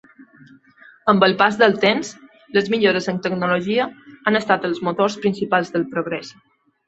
Amb el pas del temps, les millores en tecnologia han estat els motors principals del progrés.